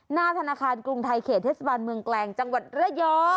หน้าธนาคารกรุงไทยเขตเทศบาลเมืองแกลงจังหวัดระยอง